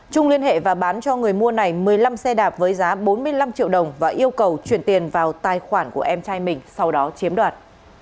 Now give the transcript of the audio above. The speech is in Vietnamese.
trung liên hệ và bán cho người mua này một mươi năm xe đạp với giá bốn mươi năm triệu đồng và yêu cầu chuyển tiền vào tài khoản của em trai mình sau đó chiếm đoạt